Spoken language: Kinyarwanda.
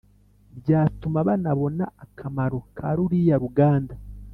byatuma banabona akamaro ka ruriya ruganda